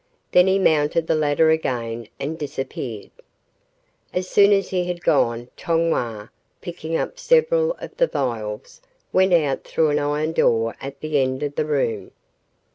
Then he mounted the ladder again and disappeared. As soon as he had gone Tong Wah, picking up several of the vials, went out through an iron door at the end of the room.